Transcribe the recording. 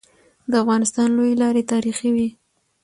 د افغانستان لويي لاري تاریخي وي.